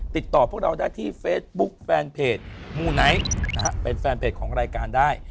ติดต่อพวกเราได้ที่เฟซบุ๊คแฟนเพจมูไนท์นะฮะเป็นแฟนเพจของรายการได้